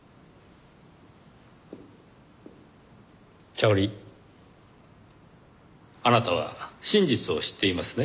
シャオリーあなたは真実を知っていますね？